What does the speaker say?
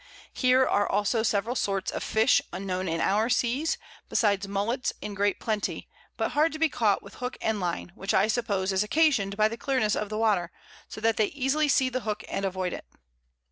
Here are also several sorts of Fish unknown in our Seas, besides Mullets in great Plenty, but hard to be caught with Hook and Line, which I suppose is occasion'd by the Clearness of the Water, so that they easily see the Hook and avoid it.